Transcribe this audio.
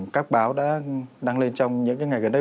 các báo đã đăng lên trong những ngày gần đây